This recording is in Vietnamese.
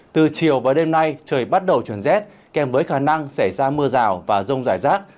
từ chiều và đêm nay trời bắt đầu chuyển rét kèm với khả năng xảy ra mưa rào và rông rải rác